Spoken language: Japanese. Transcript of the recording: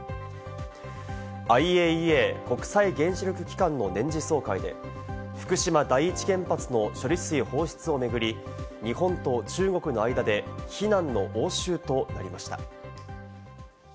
ＩＡＥＡ＝国際原子力機関の年次総会で、福島第一原発の処理水放出を巡り、日本と中国の間で非難の応酬となりました。